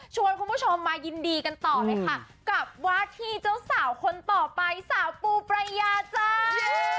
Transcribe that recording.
คุณผู้ชมมายินดีกันต่อเลยค่ะกับว่าที่เจ้าสาวคนต่อไปสาวปูปรายาจ้า